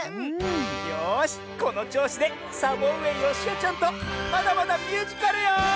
よしこのちょうしでサボうえよしおちゃんとまだまだミュージカルよ！